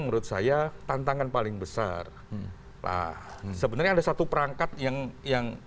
menurut saya tantangan paling besar lah sebenarnya ada satu perangkat yang yang